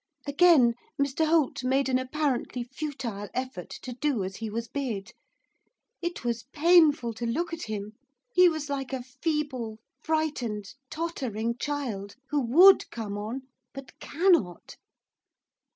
Again Mr Holt made an apparently futile effort to do as he was bid. It was painful to look at him, he was like a feeble, frightened, tottering child, who would come on, but cannot.